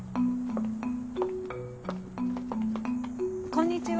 こんにちは。